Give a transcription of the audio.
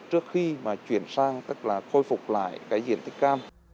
trước khi mà chuyển sang tức là khôi phục lại cái diện tích cam